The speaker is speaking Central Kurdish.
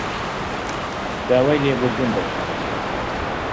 داوای لێبوردن دەکەم